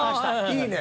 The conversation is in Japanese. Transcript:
いいね。